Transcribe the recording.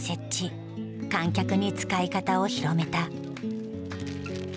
観客に使い方を広めた。